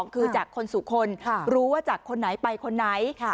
คือจากคนสู่คนรู้ว่าจากคนไหนไปคนไหน